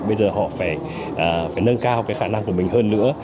bây giờ họ phải nâng cao cái khả năng của mình hơn nữa